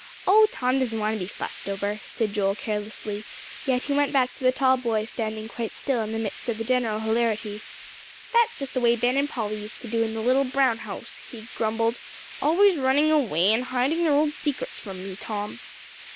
"Oh, Tom doesn't want to be fussed over," said Joel carelessly; yet he went back to the tall boy standing quite still, in the midst of the general hilarity. "That's just the way Ben and Polly used to do in the little brown house," he grumbled "always running away, and hiding their old secrets from me, Tom."